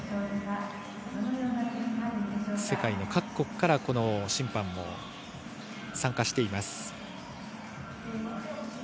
世界各国からの審判が参加しています。